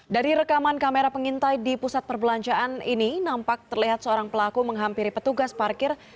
dari rekaman kamera pengintai di pusat perbelanjaan ini nampak terlihat seorang pelaku menghampiri petugas parkir